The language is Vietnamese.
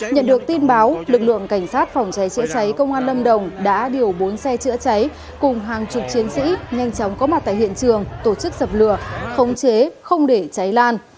nhận được tin báo lực lượng cảnh sát phòng cháy chữa cháy công an lâm đồng đã điều bốn xe chữa cháy cùng hàng chục chiến sĩ nhanh chóng có mặt tại hiện trường tổ chức dập lửa khống chế không để cháy lan